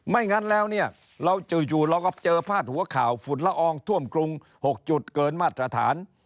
งั้นแล้วเนี่ยเราจู่เราก็เจอพาดหัวข่าวฝุ่นละอองท่วมกรุง๖จุดเกินมาตรฐาน